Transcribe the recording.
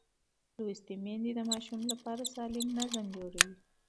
لوستې میندې د ماشوم لپاره سالم نظم جوړوي.